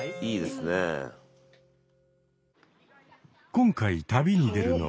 今回旅に出るのは。